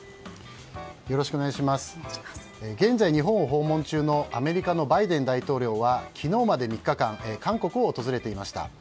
現在、日本を訪問中のアメリカのバイデン大統領は昨日まで３日間韓国を訪れていました。